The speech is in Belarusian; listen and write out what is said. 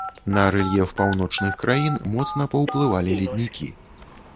На рэльеф паўночных краін моцна паўплывалі леднікі.